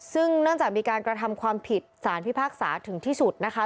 ซึ่งเนื่องจากมีการกระทำความผิดสารพิพากษาถึงที่สุดนะคะ